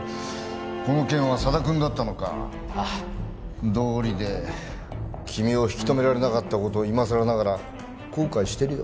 この件は佐田君だったのかどうりで君を引き止められなかったことを今さらながら後悔してるよ